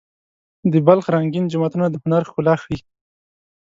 د بلخ رنګین جوماتونه د هنر ښکلا ښيي.